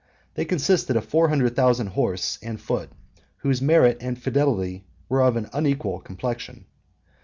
They consisted of four hundred thousand horse and foot, 39 whose merit and fidelity were of an unequal complexion.